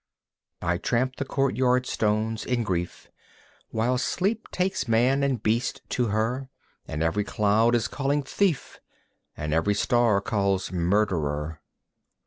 I tramp the courtyard stones in grief, While sleep takes man and beast to her. And every cloud is calling "Thief!" And every star calls "Murderer!"